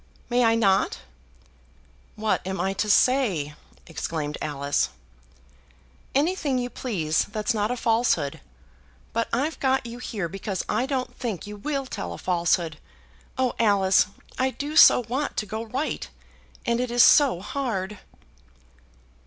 "May I not?" "What am I to say?" exclaimed Alice. "Anything you please, that's not a falsehood. But I've got you here because I don't think you will tell a falsehood. Oh, Alice, I do so want to go right, and it is so hard!"